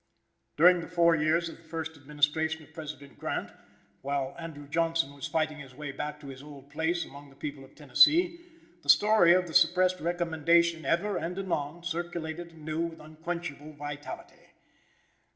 During the four years of the first administration of President Grant, while Andrew Johnson was fighting his way back to his old place, among the people of Tennessee, the story of the suppressed recommendation ever and anon circulated anew with unquenchable vitality.